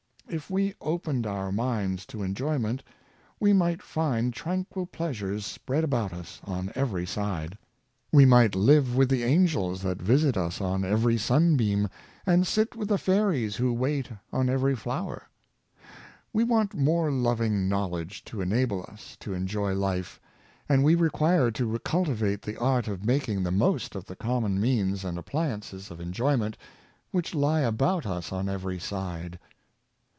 If we opened our minds to enjoyment, we might find tran quil pleasures spread about us on every side. We might live with the angels that visit us on every sun beam, and sit with the fairies who wait on every flower. We want more loving knowledge to enable us to en joy life, and we require to cultivate the art of making the most of the common means and appliances of enjoy ment which lie about us on every side.